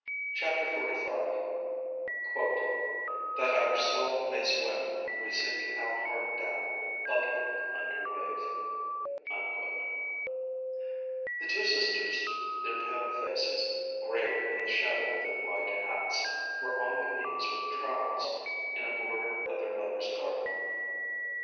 CHAPTER XLV "That our soul may swim We sink our heart down, bubbling, under wave" The two sisters, their pale faces grave in the shadow of their wide hats, were on their knees with trowels in a border of their mother's garden.